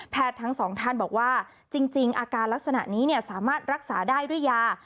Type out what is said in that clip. ทั้งสองท่านบอกว่าจริงอาการลักษณะนี้สามารถรักษาได้ด้วยยา